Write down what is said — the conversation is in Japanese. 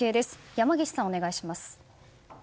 山岸さん、お願いします。